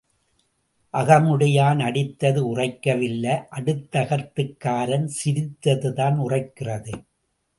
அகமுடையான் அடித்தது உறைக்கவில்லை அடுத்தகத்துக்காரன் சிரித்ததுதான் உறைக்கிறது.